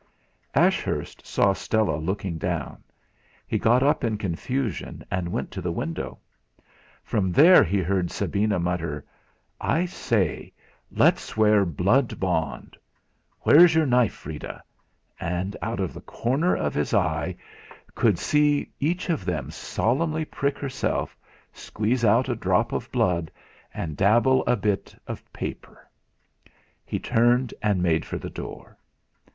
Ashurst saw Stella looking down; he got up in confusion, and went to the window. From there he heard Sabina mutter: "I say, let's swear blood bond. Where's your knife, Freda?" and out of the corner of his eye could see each of them solemnly prick herself, squeeze out a drop of blood and dabble on a bit of paper. He turned and made for the door.